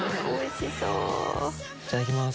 いただきます。